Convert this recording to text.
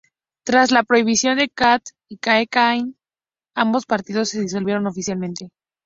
Tras la prohibición de Kach y Kahane Chai, ambos partidos se disolvieron oficialmente.